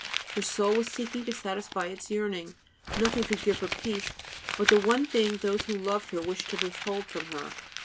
Her soul was seeking to satisfy its yearning; nothing could give her peace but the one thing those who loved her wished to withhold from her.